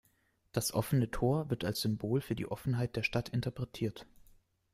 Das offene Tor wird als Symbol für die Offenheit der Stadt interpretiert.